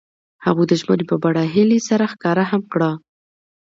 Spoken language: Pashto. هغوی د ژمنې په بڼه هیلې سره ښکاره هم کړه.